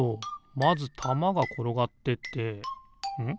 まずたまがころがってってん？